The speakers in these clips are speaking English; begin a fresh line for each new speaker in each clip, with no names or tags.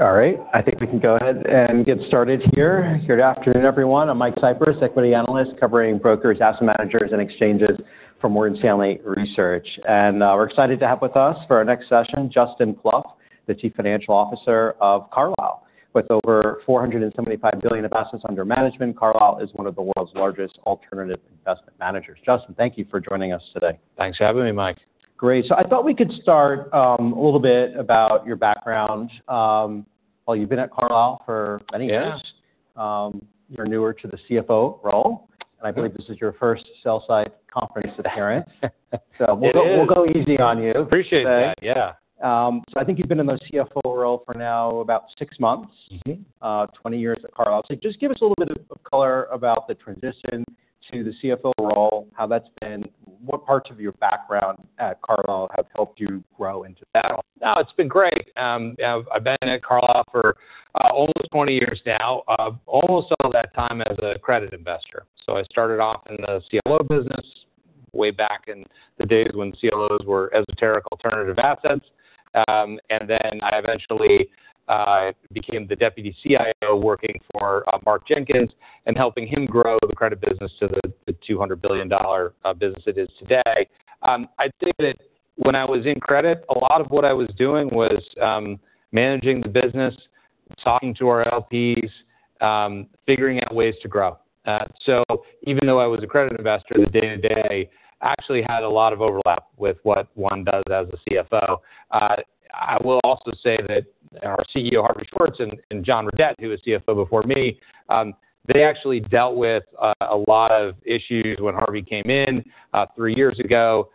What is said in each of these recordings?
All right. I think we can go ahead and get started here. Good afternoon, everyone. I'm Mike Cyprys, equity analyst covering brokers, asset managers, and exchanges for Morgan Stanley Research. We're excited to have with us for our next session, Justin Plouffe, the Chief Financial Officer of Carlyle. With over $475 billion of assets under management, Carlyle is one of the world's largest alternative investment managers. Justin, thank you for joining us today.
Thanks for having me, Mike.
Great. I thought we could start a little bit about your background. Well, you've been at Carlyle for many years.
Yeah.
You're newer to the CFO role, and I believe this is your first sell-side conference appearance.
It is.
We'll go easy on you.
Appreciate that, yeah.
I think you've been in the CFO role for now about six months. 20 years at Carlyle. Just give us a little bit of color about the transition to the CFO role, how that's been, what parts of your background at Carlyle have helped you grow into that role.
No, it's been great. I've been at Carlyle for almost 20 years now, almost all of that time as a credit investor. I started off in the CLO business way back in the days when CLOs were esoteric alternative assets. I eventually became the deputy CIO, working for Mark Jenkins and helping him grow the credit business to the $200 billion business it is today. I think that when I was in credit, a lot of what I was doing was managing the business, talking to our LPs, figuring out ways to grow. Even though I was a credit investor, the day-to-day actually had a lot of overlap with what one does as a CFO. I will also say that our CEO, Harvey Schwartz, and John Redett, who was CFO before me, they actually dealt with a lot of issues when Harvey came in three years ago.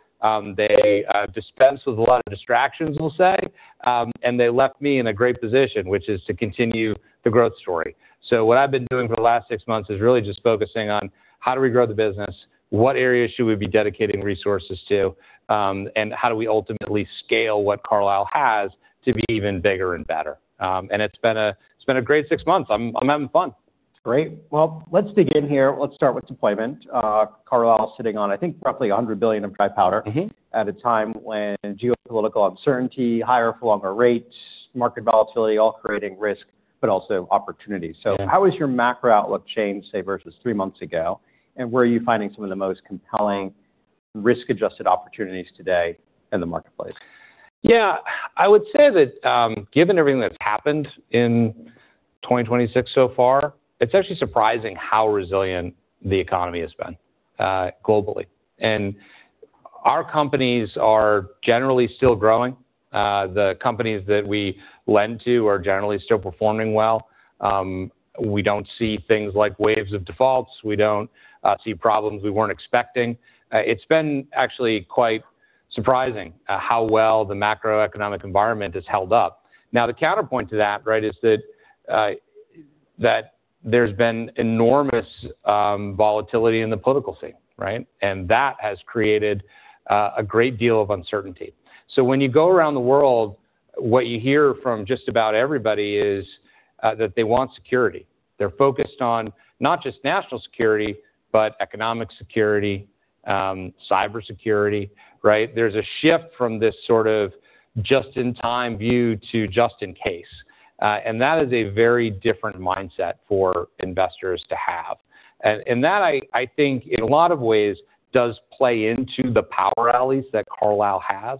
They dispensed with a lot of distractions, we'll say, and they left me in a great position, which is to continue the growth story. What I've been doing for the last six months is really just focusing on how do we grow the business, what areas should we be dedicating resources to, and how do we ultimately scale what Carlyle has to be even bigger and better. It's been a great six months. I'm having fun.
Great. Well, let's begin here. Let's start with deployment. Carlyle is sitting on, I think, roughly $100 billion of dry powder. at a time when geopolitical uncertainty, higher for longer rates, market volatility, all creating risk, but also opportunities.
Yeah.
How has your macro outlook changed, say, versus three months ago? Where are you finding some of the most compelling risk-adjusted opportunities today in the marketplace?
Yeah. I would say that given everything that's happened in 2026 so far, it's actually surprising how resilient the economy has been globally. Our companies are generally still growing. The companies that we lend to are generally still performing well. We don't see things like waves of defaults. We don't see problems we weren't expecting. It's been actually quite surprising how well the macroeconomic environment has held up. The counterpoint to that, right, is that there's been enormous volatility in the political scene, right? That has created a great deal of uncertainty. When you go around the world, what you hear from just about everybody is that they want security. They're focused on not just national security, but economic security, cybersecurity, right? There's a shift from this sort of just-in-time view to just in case. That is a very different mindset for investors to have. That, I think, in a lot of ways, does play into the power alleys that Carlyle has.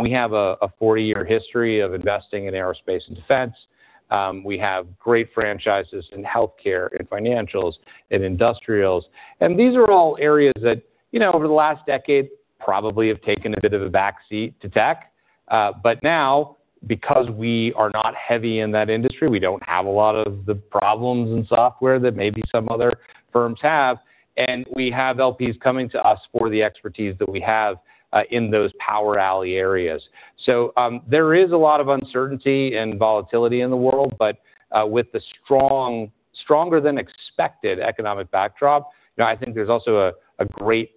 We have a 40-year history of investing in aerospace and defense. We have great franchises in healthcare and financials and industrials. These are all areas that over the last decade probably have taken a bit of a backseat to tech. Now, because we are not heavy in that industry, we don't have a lot of the problems in software that maybe some other firms have, and we have LPs coming to us for the expertise that we have in those power alley areas. There is a lot of uncertainty and volatility in the world. With the stronger-than-expected economic backdrop, I think there's also a great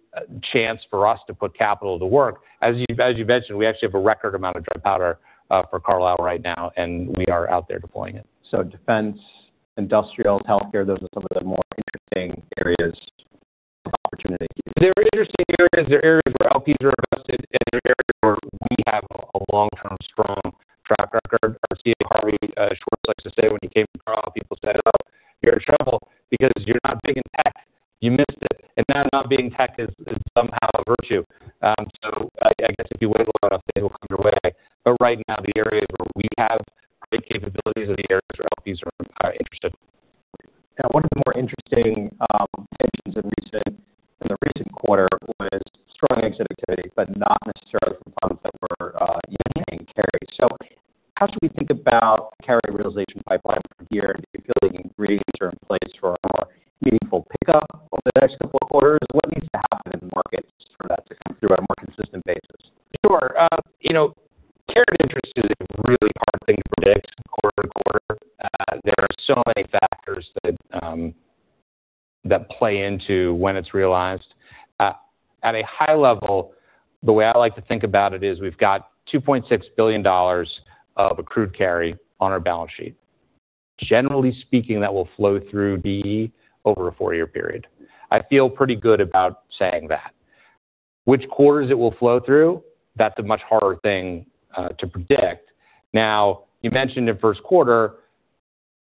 chance for us to put capital to work. As you mentioned, we actually have a record amount of dry powder for Carlyle right now, and we are out there deploying it.
Defense, industrials, healthcare, those are some of the more interesting areas of opportunity.
They're interesting areas. They're areas where LPs are invested, and they're areas where we have a long-term strong track record. Our CEO, Harvey Schwartz, likes to say when he came to Carlyle, people said, "Oh, you're in trouble because you're not big in tech. You missed it." Now not being tech is somehow a virtue. I guess if you wait a lot of things will come your way. Right now, the areas where we have great capabilities are the areas where LPs are interested.
Yeah. One of the more interesting tensions in the recent quarter was strong exit activity, but not necessarily from funds that were yielding carry. How should we think about carry realization pipeline from here? Do you feel like ingredients are in place for a more meaningful pickup over the next couple quarters? What needs to happen in the markets for that to come through on a more consistent basis?
Sure. Carried interest is a really hard thing to predict quarter to quarter. There are so many factors that play into when it's realized. At a high level, the way I like to think about it is we've got $2.6 billion of accrued carried interest on our balance sheet. Generally speaking, that will flow through DE over a four-year period. I feel pretty good about saying that. Which quarters it will flow through, that's a much harder thing to predict. You mentioned in first quarter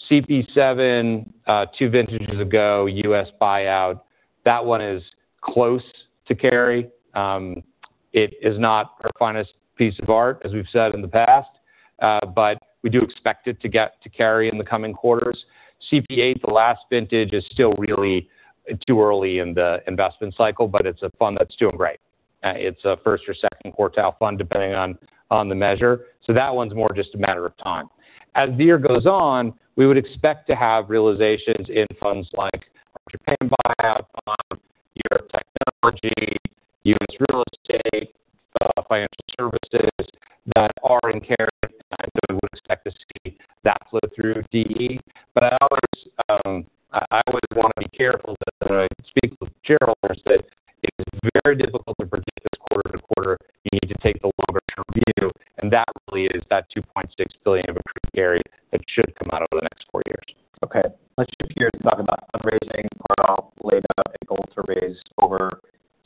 CP VII, two vintages ago, U.S. Buyout. That one is close to carried interest. It is not our finest piece of art, as we've said in the past, but we do expect it to get to carried interest in the coming quarters. CP VIII, the last vintage, is still really too early in the investment cycle, but it's a fund that's doing great. It's a first or second quartile fund, depending on the measure. That one's more just a matter of time. As the year goes on, we would expect to have realizations in funds like our Carlyle Japan Partners, Carlyle Europe Technology Partners, Carlyle Realty Partners, Carlyle Global Financial Services Partners, that are in carried interest time. We would expect to see that flow through DE. I always want to be careful that when I speak with shareholders that it is very difficult to predict this quarter to quarter. You need to take the longer-term view, and that really is that $2.6 billion of accrued carried interest that should come out over the next four years.
Let's shift gears and talk about fundraising. Carlyle laid out a goal to raise over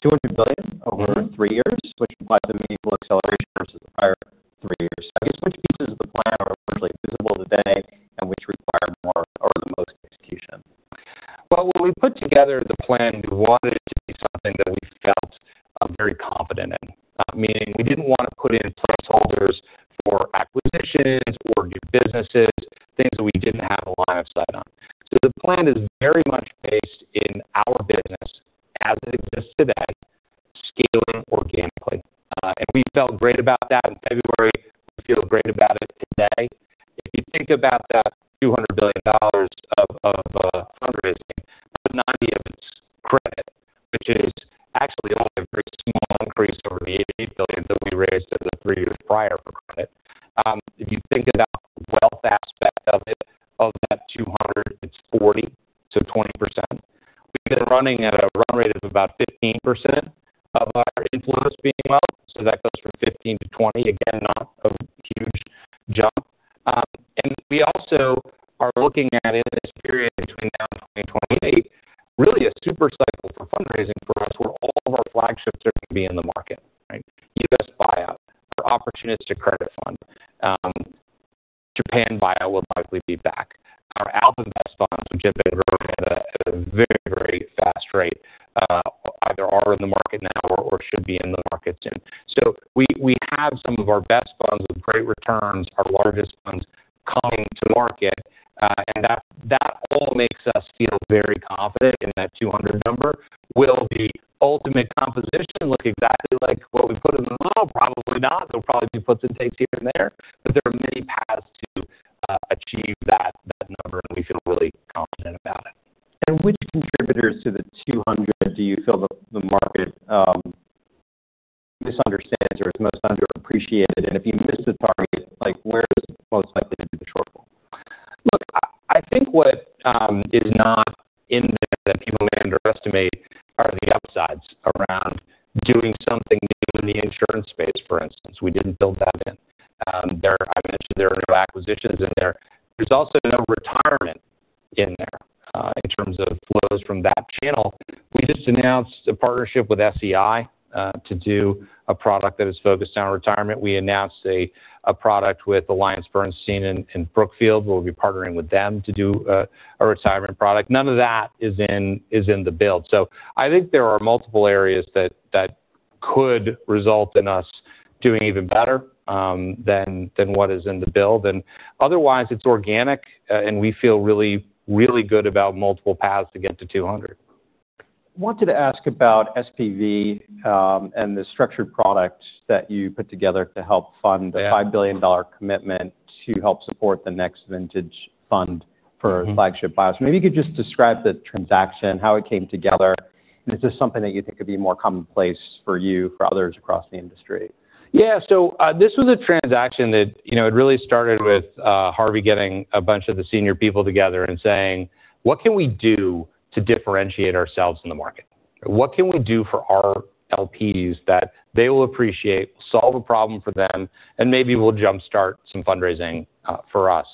$200 billion over three years, which implies a meaningful acceleration versus the prior three years. Which pieces of the plan are largely visible today and which require more or the most execution?
When we put together the plan, we wanted it to be something that we felt very confident in. Meaning we didn't want to put in placeholders for acquisitions or new businesses, things that we didn't have a line of sight on. The plan is very much based in our business as it exists today, scaling organically. We felt great about that in February. We feel great about it today. If you think about that $200 billion of fundraising, about $90 billion of it's credit, which is actually only a very small increase over the $88 billion that we raised as of three years prior for credit. If you think about the wealth aspect of it, of that $200 billion, it's $40 billion, so 20%. We've been running at a run rate of about 15% of our inflows being wealth, so that goes from 15 to 20. Again, not a huge jump. We also are looking at, in this period between now and 2028, really a super cycle for fundraising for us where all of our flagships are going to be in the market, right? U.S. Buyout, our opportunistic credit fund. Japan Buyout will likely be back. Our AlpInvest funds, which have been growing at a very fast rate either are in the market now or should be in the market soon. We have some of our best funds with great returns, our largest funds coming to market, and that all makes us feel very confident in that 200 number. Will the ultimate composition look exactly like what we put in the model? Probably not. There'll probably be puts and takes here and there, but there are many paths to achieve that number, and we feel really confident about it.
Which contributors to the 200 do you feel the market misunderstands or is most underappreciated? If you miss the target, where is it most likely to be the shortfall?
Look, I think what is not in there that people may underestimate are the upsides around doing something new in the insurance space, for instance. We didn't build that in. I mentioned there are no acquisitions in there. There's also no retirement in there in terms of flows from that channel. We just announced a partnership with SEI to do a product that is focused on retirement. We announced a product with AllianceBernstein in Brookfield. We'll be partnering with them to do a retirement product. None of that is in the build. I think there are multiple areas that could result in us doing even better than what is in the build. Otherwise, it's organic, and we feel really, really good about multiple paths to get to 200.
Wanted to ask about SPV and the structured products that you put together to help fund.
Yeah
the $5 billion commitment to help support the next vintage fund for flagship buyers. Maybe you could just describe the transaction, how it came together, and is this something that you think could be more commonplace for you, for others across the industry?
Yeah. This was a transaction that really started with Harvey getting a bunch of the senior people together and saying, "What can we do to differentiate ourselves in the market? What can we do for our LPs that they will appreciate, will solve a problem for them, and maybe will jumpstart some fundraising for us?"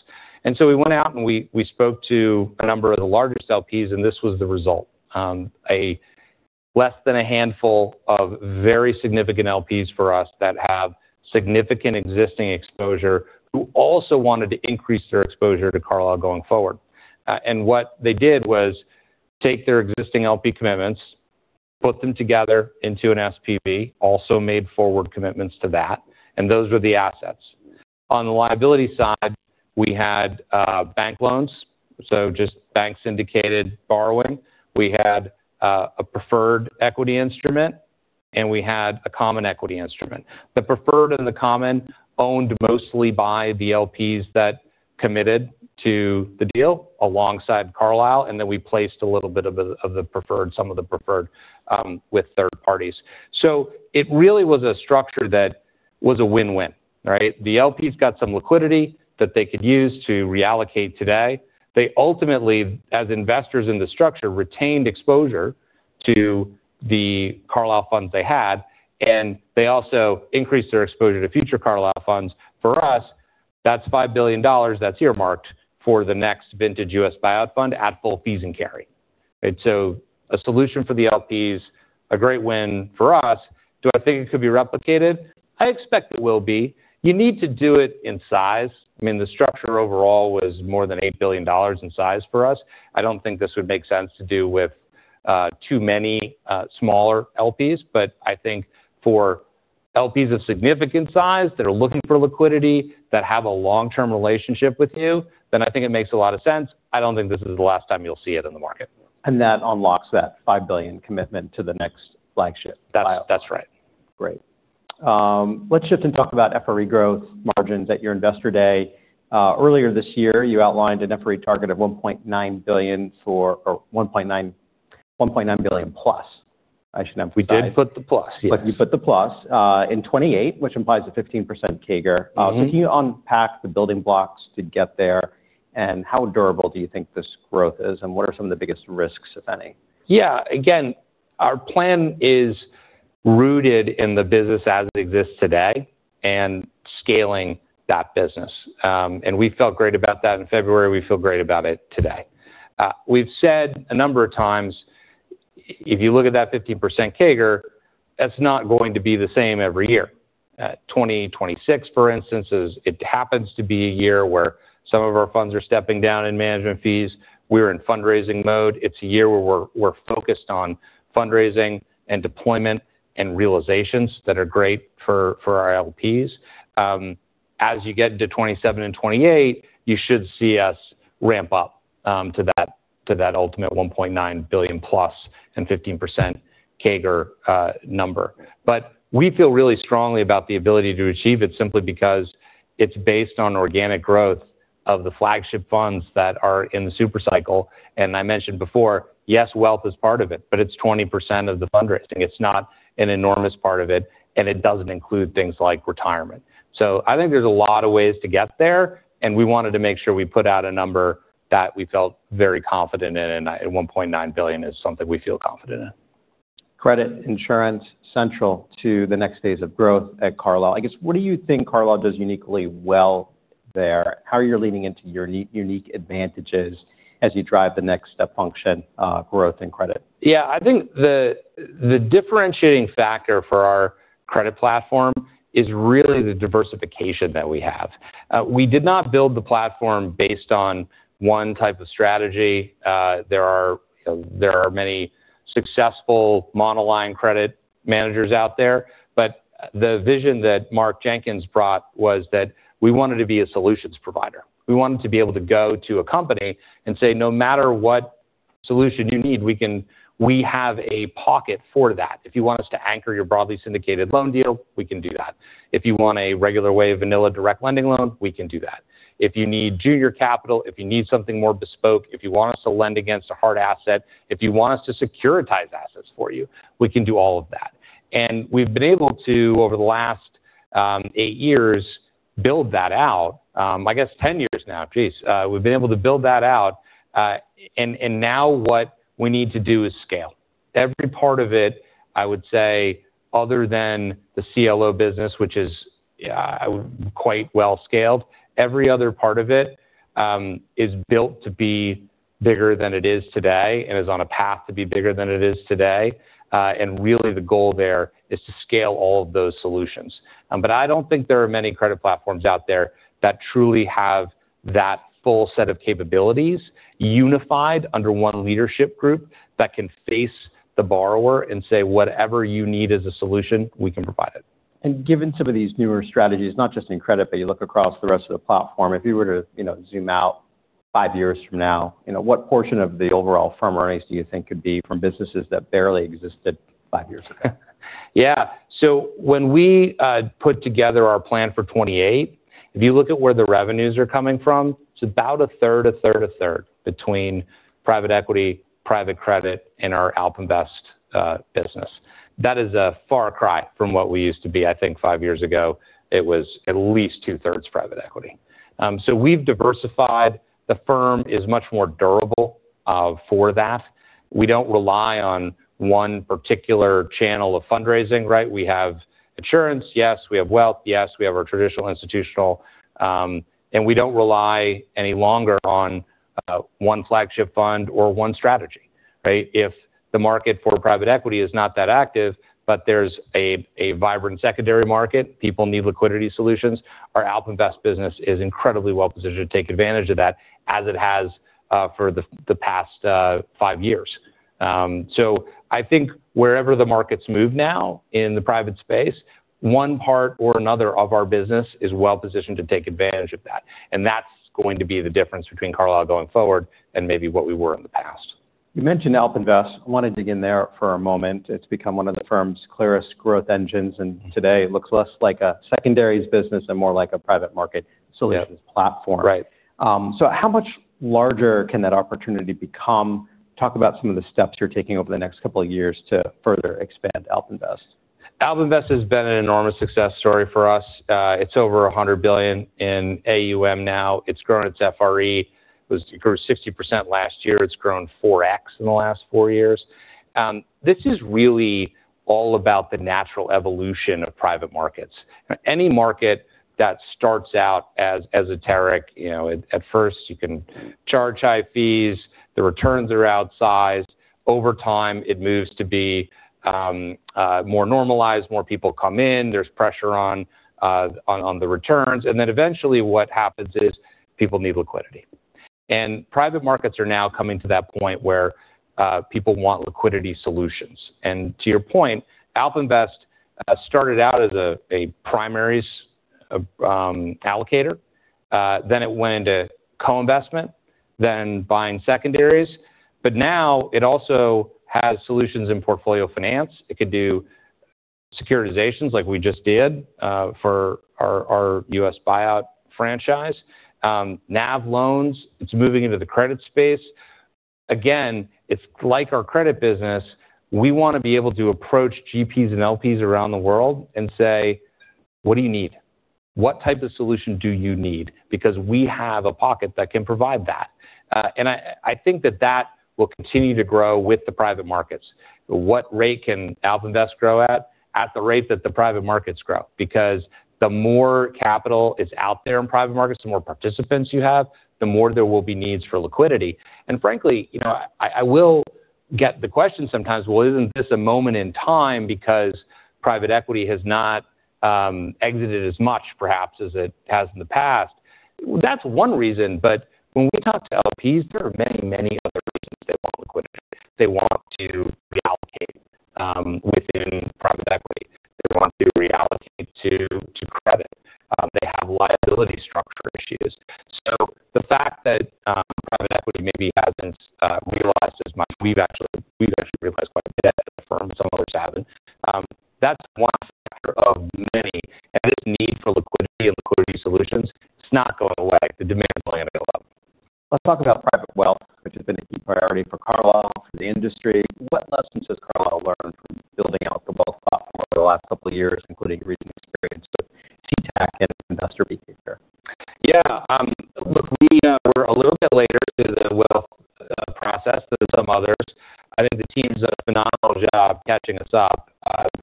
We went out and we spoke to a number of the largest LPs, and this was the result. A less than a handful of very significant LPs for us that have significant existing exposure, who also wanted to increase their exposure to Carlyle going forward. What they did was take their existing LP commitments, put them together into an SPV, also made forward commitments to that, and those were the assets. On the liability side, we had bank loans, so just banks indicated borrowing. We had a preferred equity instrument, and we had a common equity instrument. The preferred and the common owned mostly by the LPs that committed to the deal alongside Carlyle, and then we placed a little bit of the preferred, some of the preferred, with third parties. It really was a structure that was a win-win. Right? The LPs got some liquidity that they could use to reallocate today. They ultimately, as investors in the structure, retained exposure to the Carlyle funds they had, and they also increased their exposure to future Carlyle funds. For us, that's $5 billion that's earmarked for the next vintage U.S. buyout fund at full fees and carry. A solution for the LPs, a great win for us. Do I think it could be replicated? I expect it will be. You need to do it in size. The structure overall was more than $8 billion in size for us. I don't think this would make sense to do with too many smaller LPs, I think for LPs of significant size that are looking for liquidity, that have a long-term relationship with you, I think it makes a lot of sense. I don't think this is the last time you'll see it in the market.
That unlocks that $5 billion commitment to the next flagship buyout.
That's right.
Great. Let's shift and talk about FRE growth margins. At your investor day earlier this year, you outlined an FRE target of $1.9+ billion, I should emphasize.
We did put the plus, yes.
You put the plus, in 2028, which implies a 15% CAGR. Can you unpack the building blocks to get there, how durable do you think this growth is, what are some of the biggest risks, if any?
Yeah. Again, our plan is rooted in the business as it exists today and scaling that business. We felt great about that in February, we feel great about it today. We've said a number of times, if you look at that 15% CAGR, that's not going to be the same every year. 2026, for instance, it happens to be a year where some of our funds are stepping down in management fees. We're in fundraising mode. It's a year where we're focused on fundraising and deployment and realizations that are great for our LPs. As you get into 2027 and 2028, you should see us ramp up to that ultimate $1.9+ billion and 15% CAGR number. We feel really strongly about the ability to achieve it simply because it's based on organic growth of the flagship funds that are in the super cycle, I mentioned before, yes, wealth is part of it's 20% of the fundraising. It's not an enormous part of it doesn't include things like retirement. I think there's a lot of ways to get there, we wanted to make sure we put out a number that we felt very confident in. $1.9 billion is something we feel confident in.
Credit insurance central to the next phase of growth at Carlyle. I guess, what do you think Carlyle does uniquely well there? How are you leaning into your unique advantages as you drive the next step function growth in credit?
Yeah. I think the differentiating factor for our credit platform is really the diversification that we have. We did not build the platform based on one type of strategy. There are many successful monoline credit managers out there, but the vision that Mark Jenkins brought was that we wanted to be a solutions provider. We wanted to be able to go to a company and say, "No matter what solution you need, we have a pocket for that. If you want us to anchor your broadly syndicated loan deal, we can do that. If you want a regular way vanilla direct lending loan, we can do that. If you need junior capital, if you need something more bespoke, if you want us to lend against a hard asset, if you want us to securitize assets for you, we can do all of that." We've been able to, over the last eight years, build that out. I guess 10 years now, geez. We've been able to build that out, and now what we need to do is scale. Every part of it, I would say, other than the CLO business, which is quite well scaled, every other part of it is built to be bigger than it is today, and is on a path to be bigger than it is today. Really the goal there is to scale all of those solutions. I don't think there are many credit platforms out there that truly have that full set of capabilities unified under one leadership group that can face the borrower and say, "Whatever you need as a solution, we can provide it.
Given some of these newer strategies, not just in credit, but you look across the rest of the platform, if you were to zoom out five years from now, what portion of the overall firm earnings do you think could be from businesses that barely existed five years ago?
When we put together our plan for 2028, if you look at where the revenues are coming from, it's about a third, a third, a third between private equity, private credit, and our AlpInvest business. That is a far cry from what we used to be. I think five years ago, it was at least two-thirds private equity. We've diversified. The firm is much more durable for that. We don't rely on one particular channel of fundraising, right? We have insurance, yes. We have wealth, yes. We have our traditional institutional. We don't rely any longer on one flagship fund or one strategy, right? If the market for private equity is not that active, but there's a vibrant secondary market, people need liquidity solutions. Our AlpInvest business is incredibly well-positioned to take advantage of that as it has for the past five years. I think wherever the markets move now in the private space, one part or another of our business is well-positioned to take advantage of that, and that's going to be the difference between Carlyle going forward and maybe what we were in the past.
You mentioned AlpInvest. I want to dig in there for a moment. It's become one of the firm's clearest growth engines, and today it looks less like a secondaries business and more like a private market solutions platform.
Right.
How much larger can that opportunity become? Talk about some of the steps you're taking over the next couple of years to further expand AlpInvest.
AlpInvest has been an enormous success story for us. It's over $100 billion in AUM now. It's grown its FRE, it grew 60% last year. It's grown 4x in the last four years. This is really all about the natural evolution of private markets. Any market that starts out as esoteric, at first you can charge high fees, the returns are outsized. Over time, it moves to be more normalized. More people come in, there's pressure on the returns, then eventually what happens is people need liquidity. Private markets are now coming to that point where people want liquidity solutions. To your point, AlpInvest started out as a primaries allocator, then it went into co-investment, then buying secondaries. Now it also has solutions in portfolio finance. It could do securitizations like we just did for our U.S. buyout franchise. NAV loans, it's moving into the credit space. Again, it's like our credit business. We want to be able to approach GPs and LPs around the world and say, "What do you need? What type of solution do you need?" Because we have a pocket that can provide that. I think that that will continue to grow with the private markets. What rate can AlpInvest grow at? At the rate that the private markets grow, because the more capital is out there in private markets, the more participants you have, the more there will be needs for liquidity. Frankly, I will get the question sometimes, well, isn't this a moment in time because private equity has not exited as much, perhaps as it has in the past? That's one reason. When we talk to LPs, there are many other reasons they want liquidity. They want to reallocate within private equity. They want to reallocate to credit. They have liability structure issues. The fact that private equity maybe hasn't realized as much, we've actually realized quite a bit as a firm, some others haven't. That's one factor of many, this need for liquidity and liquidity solutions, it's not going away. The demand will only go up.
Let's talk about private wealth, which has been a key priority for Carlyle, for the industry. What lessons has Carlyle learned from building out the wealth platform over the last couple of years, including recent experience with CTAC and investor behavior?
Look, we were a little bit later to the wealth process than some others. I think the team's done a phenomenal job catching us up.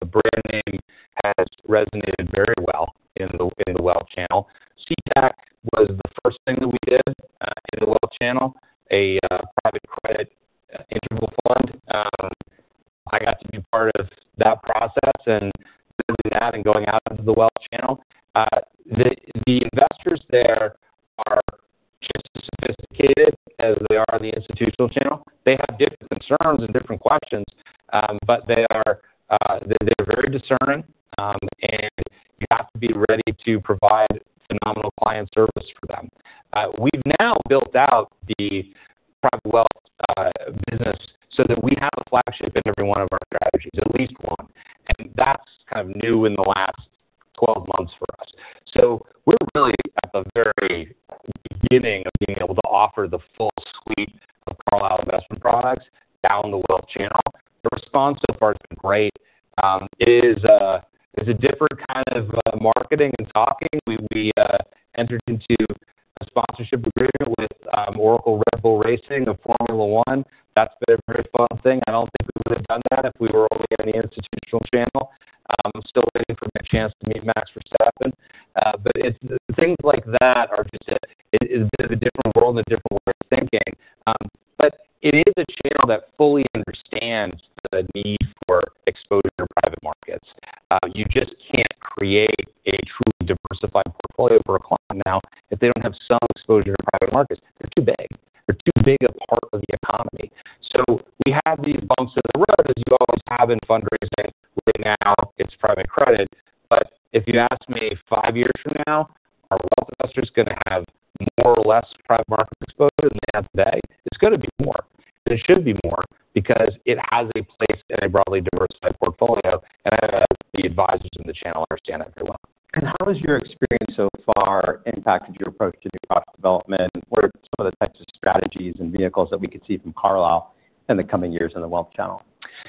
The brand name has resonated very well in the wealth channel. CTAC was the first thing that we did in the wealth channel, a private credit interval fund. I got to be part of that process and building that and going out into the wealth channel. The investors there are just as sophisticated as they are in the institutional channel. They have different concerns and different questions, but they are very discerning, and you have to be ready to provide phenomenal client service for them. We've now built out the private wealth business so that we have a flagship in every one of our strategies, at least one, and that's kind of new in the last 12 months for us. We're really at the very beginning of being able to offer the full suite of Carlyle investment products down the wealth channel. The response so far has been great. It is a different kind of marketing and talking. We entered into a sponsorship agreement with Oracle Red Bull Racing of Formula 1. That's been a very fun thing. I don't think we would have done that if we were only in the institutional channel. I'm still waiting for my chance to meet Max Verstappen. Things like that are just a bit of a different world and a different way of thinking. It is a channel that fully understands the need for exposure to private markets. You just can't create a truly diversified portfolio for a client now if they don't have some exposure to private markets. They're too big. They're too big a part of the economy. We have these bumps in the road, as you always have in fundraising. Right now, it's private credit. If you ask me five years from now, are wealth investors going to have more or less private market exposure than they have today? It's going to be more, it should be more because it has a place in a broadly diversified portfolio, I know the advisors in the channel understand that very well.
How has your experience so far impacted your approach to new product development? What are some of the types of strategies and vehicles that we could see from Carlyle in the coming years in the wealth channel?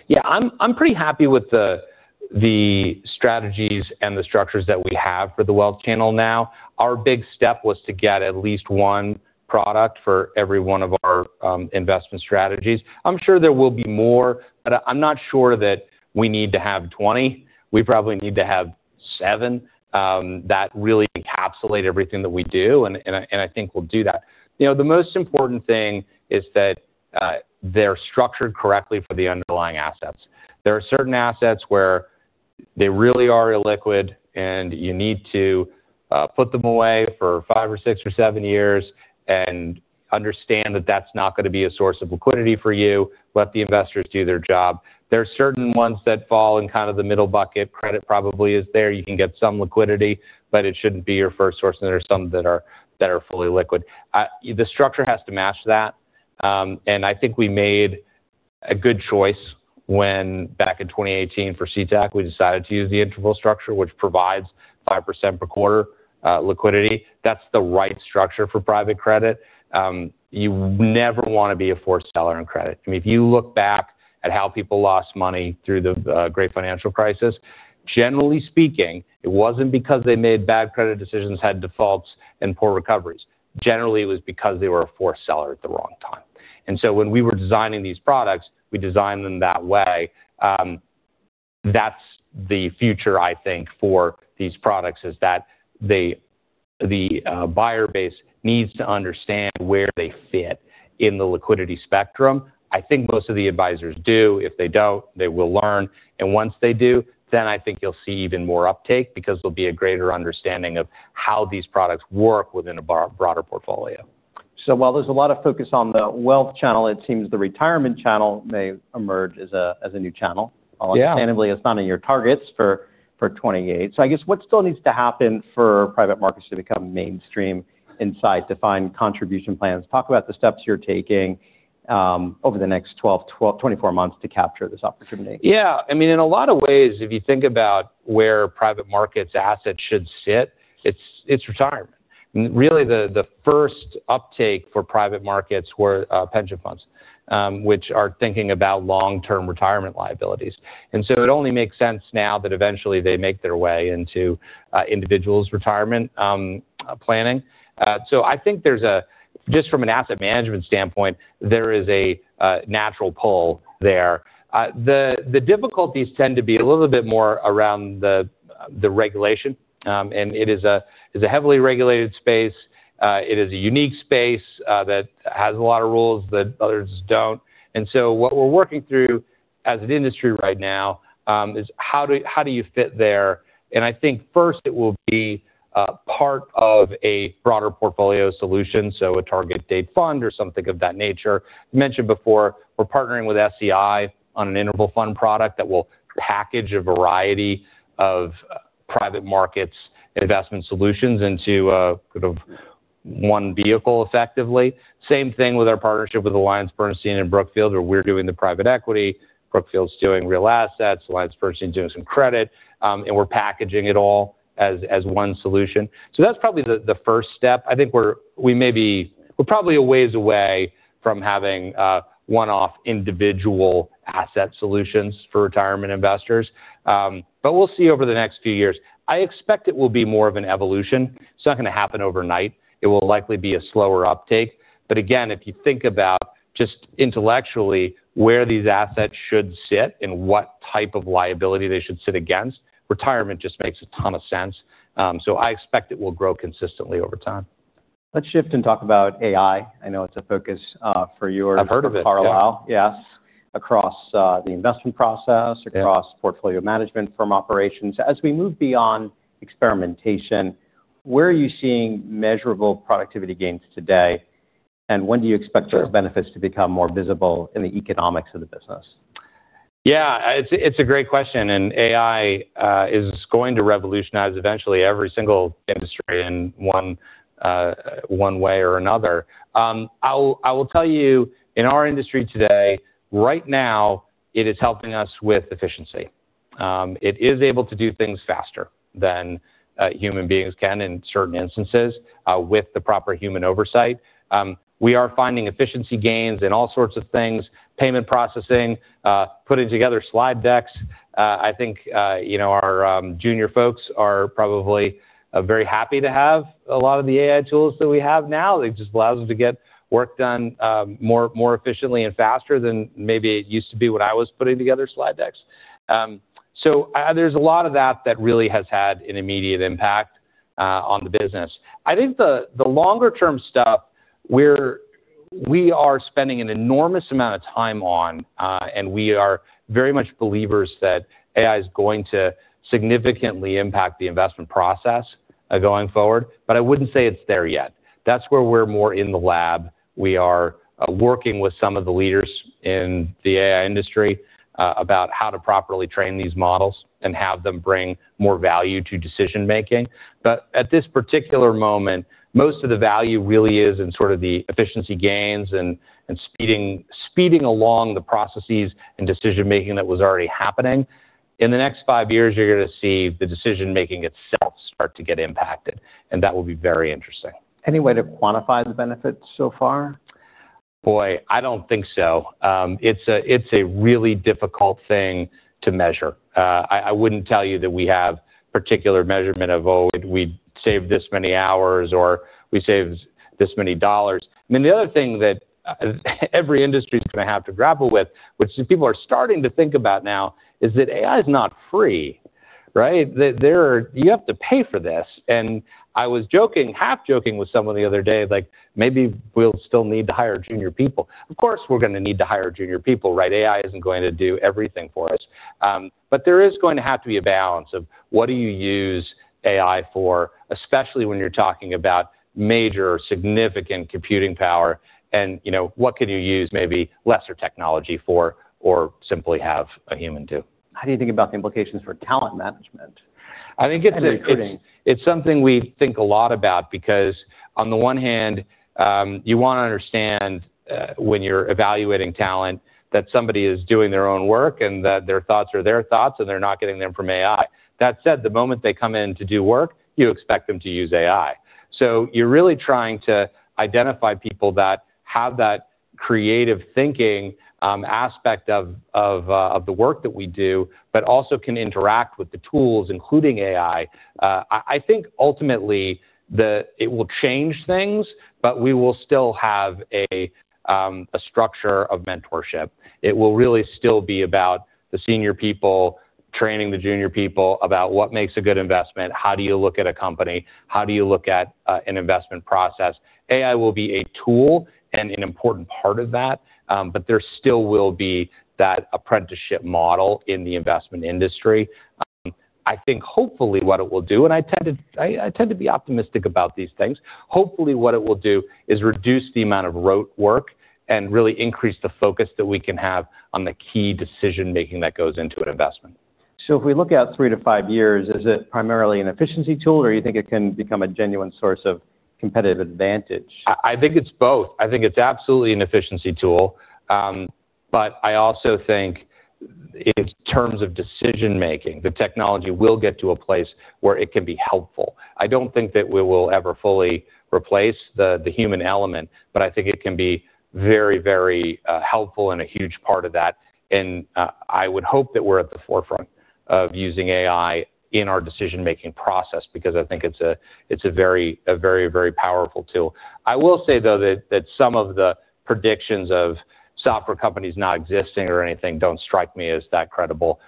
Yeah, I'm pretty happy with the strategies and the structures that we have for the wealth channel now. Our big step was to get at least one product for every one of our investment strategies. I'm sure there will be more, but I'm not sure that we need to have 20. We probably need to have seven that really encapsulate everything that we do, and I think we'll do that. The most important thing is that they're structured correctly for the underlying assets. There are certain assets where they really are illiquid, and you need to put them away for five or six or seven years and understand that that's not going to be a source of liquidity for you. Let the investors do their job. There are certain ones that fall in kind of the middle bucket. Credit probably is there. You can get some liquidity, but it shouldn't be your first source. There are some that are fully liquid. The structure has to match that, and I think we made a good choice when back in 2018 for CTAC, we decided to use the interval structure, which provides 5% per quarter liquidity. That's the right structure for private credit. You never want to be a forced seller in credit. I mean, if you look back at how people lost money through the great financial crisis. Generally speaking, it wasn't because they made bad credit decisions, had defaults, and poor recoveries. Generally, it was because they were a forced seller at the wrong time. When we were designing these products, we designed them that way. That's the future, I think, for these products, is that the buyer base needs to understand where they fit in the liquidity spectrum. I think most of the advisors do. If they don't, they will learn. Once they do, then I think you'll see even more uptake because there'll be a greater understanding of how these products work within a broader portfolio.
While there's a lot of focus on the wealth channel, it seems the retirement channel may emerge as a new channel.
Yeah.
Understandably, it's not in your targets for 2028. I guess what still needs to happen for private markets to become mainstream inside defined contribution plans? Talk about the steps you're taking over the next 12, 24 months to capture this opportunity.
Yeah. In a lot of ways, if you think about where private markets assets should sit, it's retirement. Really, the first uptake for private markets were pension funds, which are thinking about long-term retirement liabilities. It only makes sense now that eventually they make their way into individuals' retirement planning. I think just from an asset management standpoint, there is a natural pull there. The difficulties tend to be a little bit more around the regulation. It is a heavily regulated space. It is a unique space that has a lot of rules that others don't. What we're working through as an industry right now is how do you fit there? I think first it will be part of a broader portfolio solution, so a target-date fund or something of that nature. Mentioned before, we're partnering with SEI on an interval fund product that will package a variety of private markets investment solutions into a sort of one vehicle, effectively. Same thing with our partnership with AllianceBernstein and Brookfield, where we're doing the private equity, Brookfield's doing real assets, AllianceBernstein's doing some credit, and we're packaging it all as one solution. That's probably the first step. I think we're probably a ways away from having one-off individual asset solutions for retirement investors, but we'll see over the next few years. I expect it will be more of an evolution. It's not going to happen overnight. It will likely be a slower uptake. Again, if you think about just intellectually where these assets should sit and what type of liability they should sit against, retirement just makes a ton of sense. I expect it will grow consistently over time.
Let's shift and talk about AI. I know it's a focus for you-
I've heard of it, yeah
at Carlyle. Yes. Across the investment process-
Yeah
across portfolio management, firm operations. As we move beyond experimentation, where are you seeing measurable productivity gains today, and when do you expect-
Sure
those benefits to become more visible in the economics of the business?
Yeah. It's a great question. AI is going to revolutionize eventually every single industry in one way or another. I will tell you, in our industry today, right now, it is helping us with efficiency. It is able to do things faster than human beings can in certain instances, with the proper human oversight. We are finding efficiency gains in all sorts of things, payment processing, putting together slide decks. I think our junior folks are probably very happy to have a lot of the AI tools that we have now. It just allows them to get work done more efficiently and faster than maybe it used to be when I was putting together slide decks. There's a lot of that that really has had an immediate impact on the business. I think the longer-term stuff, we are spending an enormous amount of time on. We are very much believers that AI is going to significantly impact the investment process going forward. I wouldn't say it's there yet. That's where we're more in the lab. We are working with some of the leaders in the AI industry about how to properly train these models and have them bring more value to decision-making. At this particular moment, most of the value really is in sort of the efficiency gains and speeding along the processes and decision-making that was already happening. In the next five years, you're going to see the decision-making itself start to get impacted, and that will be very interesting.
Any way to quantify the benefits so far?
Boy, I don't think so. It's a really difficult thing to measure. I wouldn't tell you that we have particular measurement of, oh, we saved this many hours, or we saved this many dollars. The other thing that every industry is going to have to grapple with, which people are starting to think about now, is that AI is not free, right? You have to pay for this. I was half-joking with someone the other day, like maybe we'll still need to hire junior people. Of course, we're going to need to hire junior people, right? AI isn't going to do everything for us. There is going to have to be a balance of what do you use AI for, especially when you're talking about major, significant computing power, and what can you use maybe lesser technology for, or simply have a human do?
How do you think about the implications for talent management.
I think it's.
and recruiting?
It's something we think a lot about because, on the one hand, you want to understand when you're evaluating talent that somebody is doing their own work and that their thoughts are their thoughts, and they're not getting them from AI. That said, the moment they come in to do work, you expect them to use AI. You're really trying to identify people that have that creative thinking aspect of the work that we do, but also can interact with the tools, including AI. I think ultimately, it will change things, but we will still have a structure of mentorship. It will really still be about the senior people training the junior people about what makes a good investment, how do you look at a company, how do you look at an investment process. AI will be a tool and an important part of that, but there still will be that apprenticeship model in the investment industry. I think hopefully what it will do, and I tend to be optimistic about these things, hopefully what it will do is reduce the amount of rote work and really increase the focus that we can have on the key decision-making that goes into an investment.
If we look out three to five years, is it primarily an efficiency tool, or you think it can become a genuine source of competitive advantage?
I think it's both. I think it's absolutely an efficiency tool, but I also think in terms of decision-making, the technology will get to a place where it can be helpful. I don't think that we will ever fully replace the human element, but I think it can be very helpful and a huge part of that. I would hope that we're at the forefront of using AI in our decision-making process because I think it's a very powerful tool. I will say, though, that some of the predictions of software companies not existing or anything don't strike me as that credible.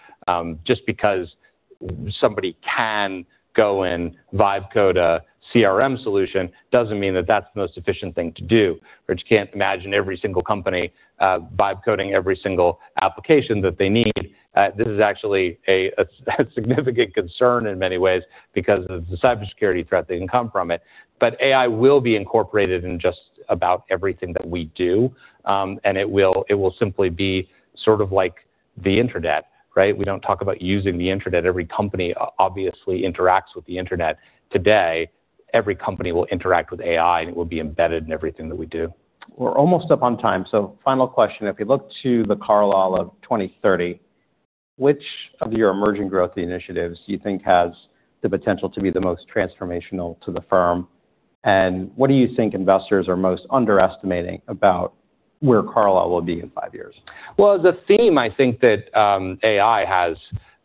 Just because somebody can go and vibe code a CRM solution doesn't mean that that's the most efficient thing to do, or you can't imagine every single company vibe coding every single application that they need. This is actually a significant concern in many ways because of the cybersecurity threat that can come from it. AI will be incorporated in just about everything that we do, and it will simply be sort of like the internet, right? We don't talk about using the internet. Every company obviously interacts with the internet today. Every company will interact with AI, and it will be embedded in everything that we do.
We're almost up on time, final question. If you look to Carlyle of 2030, which of your emerging growth initiatives do you think has the potential to be the most transformational to the firm? What do you think investors are most underestimating about where Carlyle will be in five years?
Well, the theme I think that AI has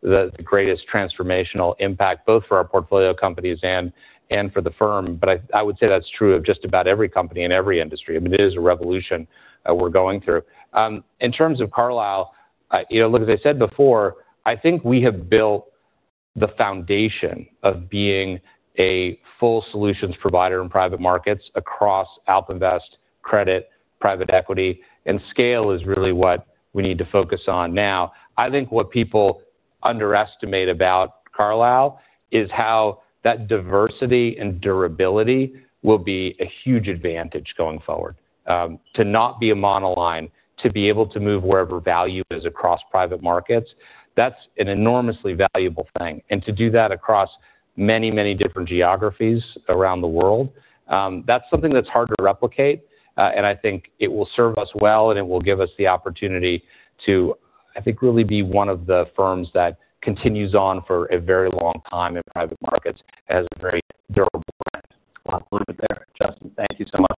the greatest transformational impact both for our portfolio companies and for the firm, I would say that's true of just about every company in every industry. I mean, it is a revolution that we're going through. In terms of Carlyle, as I said before, I think we have built the foundation of being a full solutions provider in private markets across AlpInvest, credit, private equity, scale is really what we need to focus on now. I think what people underestimate about Carlyle is how that diversity and durability will be a huge advantage going forward. To not be a monoline, to be able to move wherever value is across private markets, that's an enormously valuable thing. To do that across many different geographies around the world, that's something that's hard to replicate, I think it will serve us well, it will give us the opportunity to, I think, really be one of the firms that continues on for a very long time in private markets and has a very durable brand.
We'll have to leave it there. Justin, thank you so much